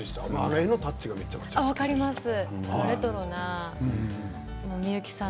絵のタッチがめちゃくちゃ好きでした。